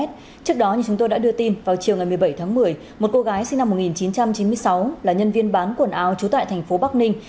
trước đó như chúng tôi đã đưa tin vào chiều ngày một mươi bảy tháng một mươi một cô gái sinh năm một nghìn chín trăm chín mươi sáu là nhân viên bán quần áo trú tại thành phố bắc ninh